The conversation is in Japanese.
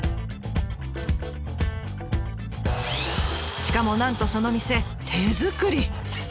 しかもなんとその店手作り！